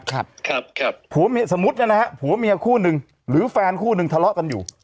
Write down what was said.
ครับครับผัวเมียสมมุตินะฮะผัวเมียคู่หนึ่งหรือแฟนคู่หนึ่งทะเลาะกันอยู่